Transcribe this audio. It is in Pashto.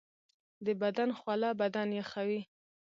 د بدن خوله بدن یخوي